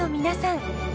皆さん。